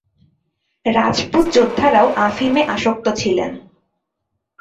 রাজপুত যোদ্ধারাও আফিমে আসক্ত ছিলেন।